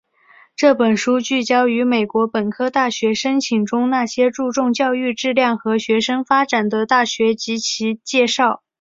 这本书聚焦于美国本科大学申请中那些注重教育质量和学生发展的大学及其介绍。